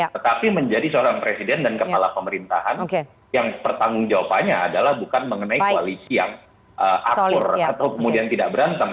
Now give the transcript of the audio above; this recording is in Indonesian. tetapi menjadi seorang presiden dan kepala pemerintahan yang pertanggung jawabannya adalah bukan mengenai koalisi yang akur atau kemudian tidak berantem